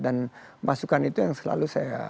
dan masukan itu yang selalu saya inginkan